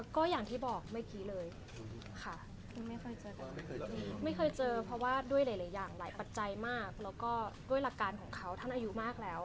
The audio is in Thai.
ก็อย่างที่บอกเมื่อกี้เลยค่ะไม่เคยเจอเพราะว่าด้วยหลายอย่างหลายปัจจัยมากแล้วก็ด้วยหลักการของเขาท่านอายุมากแล้ว